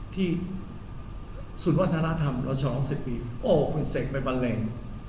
ที่ศูนย์วัฒนธรรมเราฉลองสิบปีโอ้คุณเสกไปบรรเรง